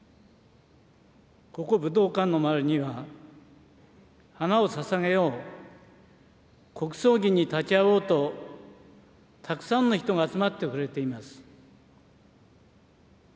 ここ武道館の周りには、花をささげよう、国葬儀に立ち会おうと、たくさんの人が集まってくれています。